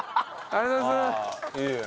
ありがとうございます。